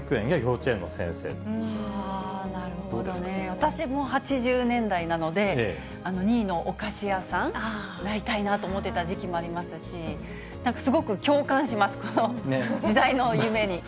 私も８０年代なので、２位のお菓子屋さん、なりたいなと思ってた時期もありますし、なんかすごく共感します、この時代の夢に。